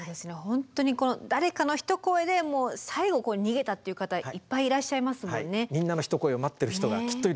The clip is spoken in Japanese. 本当にこの誰かの一声で最後逃げたっていう方いっぱいいらっしゃいますもんね。